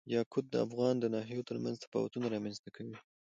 یاقوت د افغانستان د ناحیو ترمنځ تفاوتونه رامنځ ته کوي.